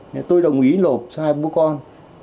nên tôi đồng ý lộp cho hai bố con